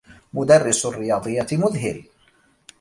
مدرّس الرّياضيّات مذهل.